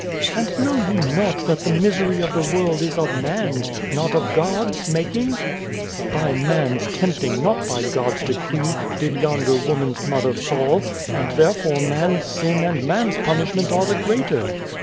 " And know ye not that the misery of the world is of man's, not of God's making ?" By man's tempting, not by God's decree, did yonder woman's mother fall ; and there fore man's sin and man's punishment are the greater.